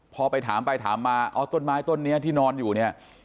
พอไปถามไปถามมาอ๋อต้นไม้ต้นนี้ที่นอนอยู่เนี่ย